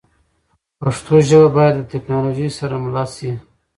پښتو ژبه باید د ټکنالوژۍ سره مله شي.